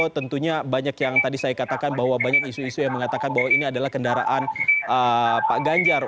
tentunya banyak yang tadi saya katakan bahwa banyak isu isu yang mengatakan bahwa ini adalah kendaraan pak ganjar